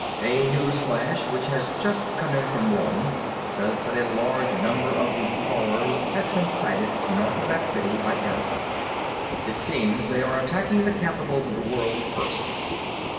"A news flash which has just come in from Rome says that a large number of the Horrors has been sighted north of that city by airmen. It seems they are attacking the capitals of the world first.